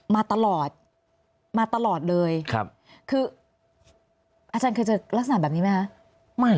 มาตลอดมาตลอดเลยคืออาจารย์เคยเจอลักษณะแบบนี้ไหมคะ